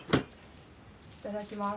いただきます。